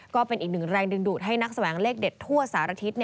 ก็เป็นอีกหนึ่งแรงดึงดูดให้นักแสวงเลขเด็ดทั่วสารทิศ